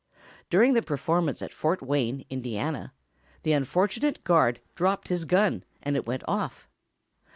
During the performance at Fort Wayne, Indiana, the unfortunate guard dropped his gun, and it went off.